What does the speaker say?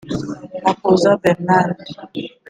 Makuza Bernard